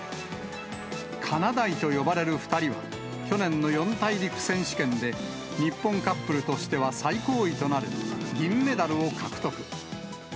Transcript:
かなだいと呼ばれる２人は、去年の四大陸選手権で、日本カップルとしては最高位となる銀メダルを獲得。